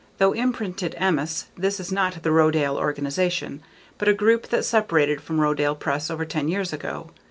Though imprinted "Emmaus" this is not the Rodale organization, but a group that separated from Rodale Press over ten years ago.